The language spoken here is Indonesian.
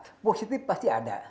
yang positif pasti ada